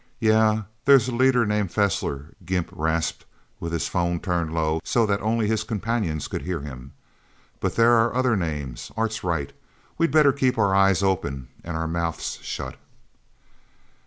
"Yeah, there's a leader named Fessler," Gimp rasped, with his phone turned low so that only his companions could hear him. "But there are other names... Art's right. We'd better keep our eyes open and our mouths shut."